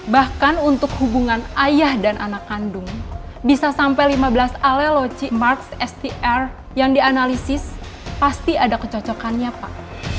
bahkan untuk hubungan ayah dan anak kandung bisa sampai lima belas aleloci marts str yang dianalisis pasti ada kecocokannya pak